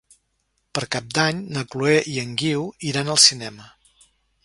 Per Cap d'Any na Chloé i en Guiu iran al cinema.